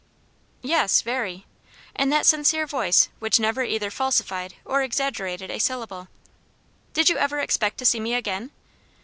"Yes, very." In that sincere voice which never either falsified or exaggerated a syllable. "Did you ever expect to see me again?"